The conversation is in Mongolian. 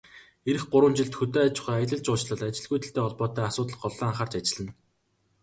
Ирэх гурван жилд хөдөө аж ахуй, аялал жуулчлал, ажилгүйдэлтэй холбоотой асуудалд голлон анхаарч ажиллана.